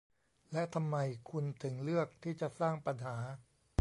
และทำไมคุณถึงเลือกที่จะสร้างปัญหา